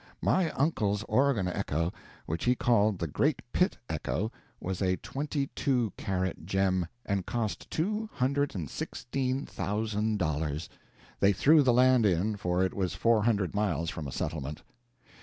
My uncle's Oregon echo, which he called the Great Pitt Echo, was a twenty two carat gem, and cost two hundred and sixteen thousand dollars they threw the land in, for it was four hundred miles from a settlement.